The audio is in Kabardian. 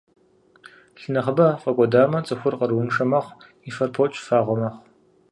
Лъы нэхъыбэ фӏэкӏуэдамэ, цӏыхур къарууншэ мэхъу, и фэр покӏ, фагъуэ мэхъу.